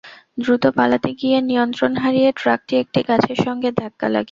দ্রুত পালাতে গিয়ে নিয়ন্ত্রণ হারিয়ে ট্রাকটি একটি গাছের সঙ্গে ধাক্কা লাগে।